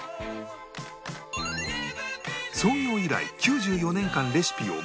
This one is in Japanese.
創業以来９４年間レシピを守る